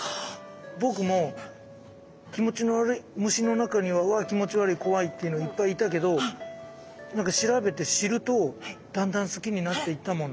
僕も気持ちの悪い虫の中にはうわ気持ち悪い怖いっていうのいっぱいいたけど何か調べて知るとだんだん好きになっていったもの。